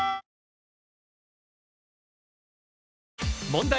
問題。